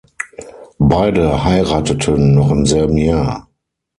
Beide heirateten noch im selben Jahr.